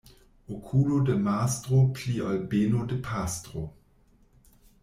Okulo de mastro pli ol beno de pastro.